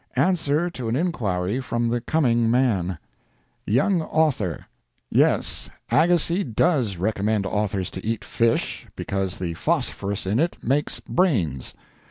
ANSWER TO AN INQUIRY FROM THE COMING MAN. "YOUNG AUTHOR."—Yes, Agassiz does recommend authors to eat fish, because the phosphorous in it makes brains.